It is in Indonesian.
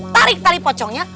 tarik tali pocongnya